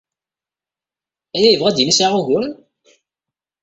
Aya yebɣa ad d-yini sɛiɣ uguren?